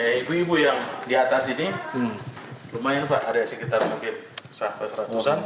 ini ibu ibu yang di atas ini lumayan pak ada sekitar mungkin sampai seratusan